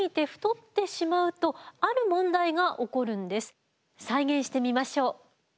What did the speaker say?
実は再現してみましょう。